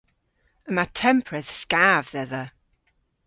Yma tempredh skav dhedha.